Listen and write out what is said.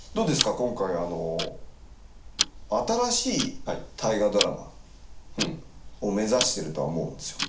今回あの新しい「大河ドラマ」を目指しているとは思うんですよ。